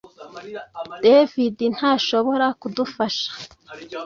David ntashobora kudufasha